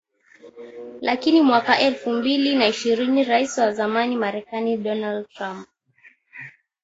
Lakini mwaka elfu mbili na ishirni Rais wa zamani Marekani Donald Trump